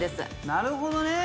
なるほどね。